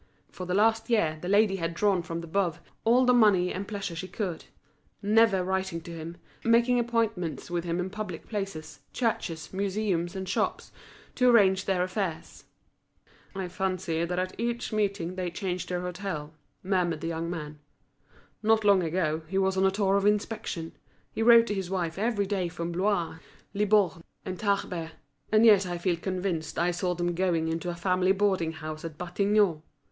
For the last year the lady had drawn from De Boves all the money and pleasure she could, never writing to him, making appointments with him in public places, churches, museums, and shops, to arrange their affairs. "I fancy that at each meeting they change their hôtel," murmured the young man. "Not long ago, he was on a tour of inspection; he wrote to his wife every day from Blois, Libourne, and Tarbes; and yet I feel convinced I saw them going into a family boarding house at Batignolles.